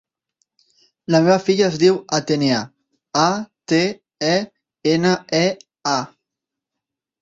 La meva filla es diu Atenea: a, te, e, ena, e, a.